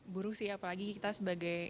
buruk sih apalagi kita sebagai